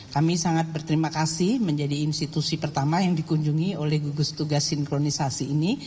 kami sangat berterima kasih menjadi institusi pertama yang dikunjungi oleh gugus tugas sinkronisasi ini